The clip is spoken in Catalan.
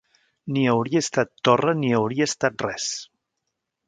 ...ni hauria estat torra ni hauria estat res.